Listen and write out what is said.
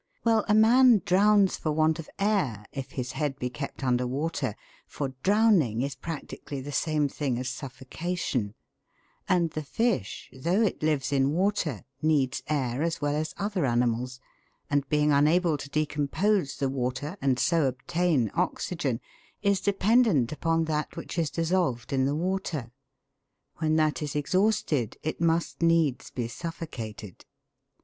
Well, a man drowns for want of air, if his head be kept under water, for drowning is practically the same thing as suffocation ; and the fish, though it lives in water, needs air as well as other animals, and being unable to decompose the water, and so obtain oxygen, is dependent upon that which is dissolved in the water. When that is exhausted it must needs be suffocated.